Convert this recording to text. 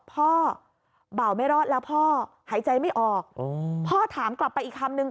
เบาไม่รอดแล้วพ่อหายใจไม่ออกพ่อถามกลับไปอีกคำนึง